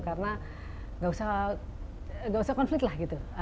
karena nggak usah konflik lah gitu